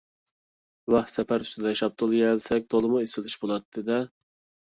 ۋاھ، سەپەر ئۈستىدە شاپتۇل يېيەلىسەك، تولىمۇ ئېسىل ئىش بولاتتى - دە!